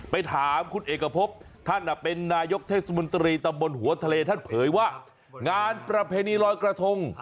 ไปถามคุณเอกพบท่านเป็นนายกเทศมนตรีตำบลหัวทะเลท่านเผยว่างานประเพณีลอยกระทง